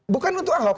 bukan untuk ahok